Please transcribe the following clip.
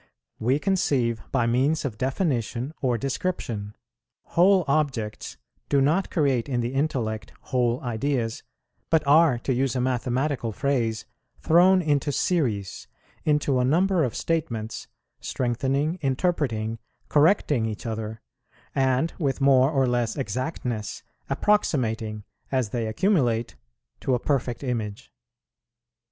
We conceive by means of definition or description; whole objects do not create in the intellect whole ideas, but are, to use a mathematical phrase, thrown into series, into a number of statements, strengthening, interpreting, correcting each other, and with more or less exactness approximating, as they accumulate, to a perfect image.